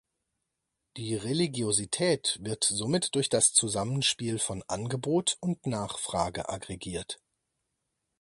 Die Religiosität wird somit durch das Zusammenspiel von Angebot und Nachfrage aggregiert.